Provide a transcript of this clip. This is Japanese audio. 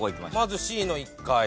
まずＣの１階。